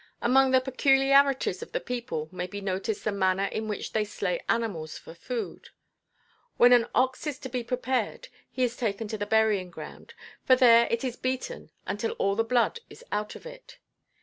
Among the peculiarities of the people may be noticed the manner in which they slay animals for food. When an ox is to be prepared he is taken to the burying ground, and there it is beaten until all the blood is out of it.